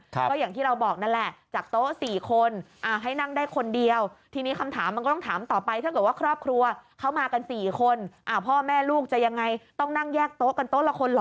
ต้องนั่งแยกโต๊ะกันโต๊ะละคนเหรอ